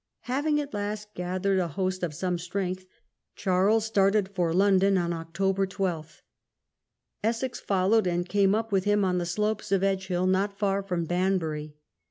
Having at last gathered a host of some strength, Charles started for London on October 12. Essex followed and came up with him on the slopes of Edge hill, not far from Banbury.